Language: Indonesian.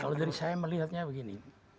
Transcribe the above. kalau dari saya melihatnya begini